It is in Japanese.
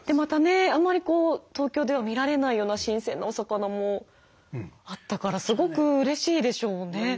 あんまり東京では見られないような新鮮なお魚もあったからすごくうれしいでしょうね。